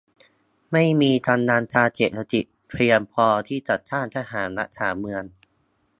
ไม่มีกำลังทางเศรษฐกิจเพียงพอที่จะสร้างทหารรักษาเมือง